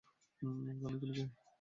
রানী, তুমি কি?